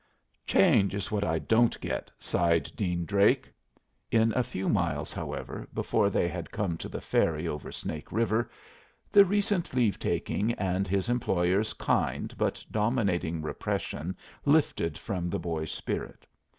"Change is what I don't get," sighed Dean Drake. In a few miles, however, before they had come to the ferry over Snake River, the recent leave taking and his employer's kind but dominating repression lifted from the boy's spirit.